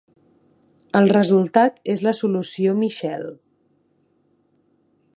El resultat és la solució Michell.